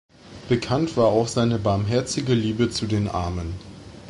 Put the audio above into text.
Bekannt war auch seine barmherzige Liebe zu den Armen.